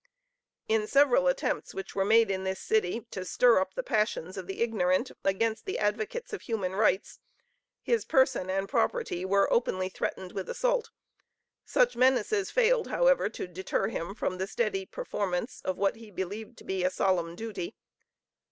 In several attempts which were made in this city to stir up the passions of the ignorant against the advocates of human rights, his person and property were openly threatened with assault. Such menaces failed, however, to deter him from the steady performance of what he believed to be a solemn duty.